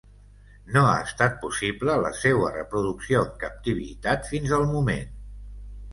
No ha estat possible la seua reproducció en captivitat fins al moment.